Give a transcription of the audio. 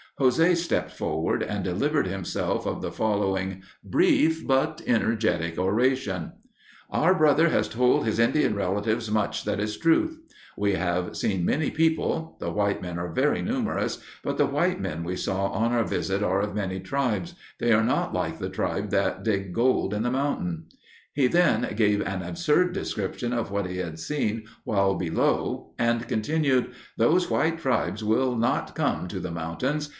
José stepped forward and delivered himself of the following brief but energetic oration: "Our brother has told his Indian relatives much that is truth; we have seen many people; the white men are very numerous; but the white men we saw on our visit are of many tribes; they are not like the tribe that dig gold in the mountains." He then gave an absurd description of what he had seen while below, and continued: "Those white tribes will not come to the mountains.